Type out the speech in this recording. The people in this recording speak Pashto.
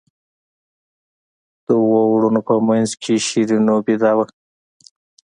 د اوو وروڼو په منځ کې شیرینو بېده وه.